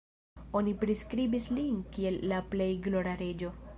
Oni priskribis lin kiel la plej glora reĝo.